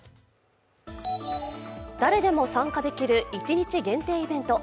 誰でも参加できる一日限定イベント。